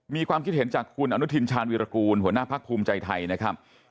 มีความคิดเห็นจากคุณอนุทินชาญวิรากูลหัวหน้าพักภูมิใจไทยนะครับ